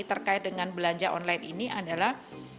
terkait dengan belanja online ini adalah